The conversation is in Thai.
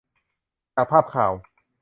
จากภาพข่าว